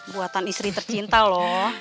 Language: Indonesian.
buatan istri tercinta loh